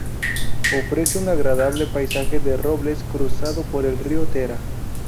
Ofrece un agradable paisaje de robles, cruzado por el río Tera.